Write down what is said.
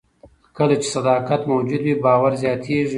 کله چې صداقت موجود وي، باور زیاتېږي.